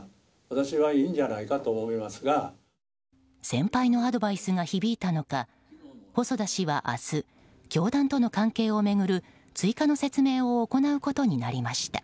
先輩のアドバイスが響いたのか細田氏は明日教団との関係を巡る追加の説明を行うことになりました。